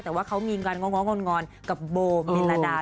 แต่ว่าเขามีการง้อนกับโบมิลลาดาด้วย